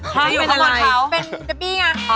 ก็อยู่ข้างบนเขา